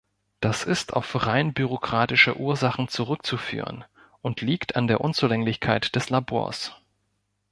Das ist auf rein bürokratische Ursachen zurückzuführen und liegt an der Unzulänglichkeit der Labors.